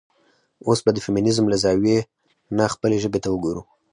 اوس به د د فيمينزم له زاويې نه خپلې ژبې ته وګورو.